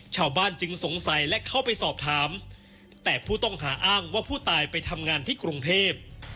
ชาวบ้านจึงสงสัยและเข้าไปสอบถามแต่ผู้ต้องหาอ้างว่าผู้ตายไปทำงานที่กรุงเทพ